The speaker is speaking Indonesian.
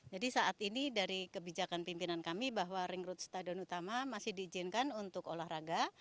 jadi saat ini dari kebijakan pimpinan kami bahwa area ring road stadion utama masih diizinkan untuk berolahraga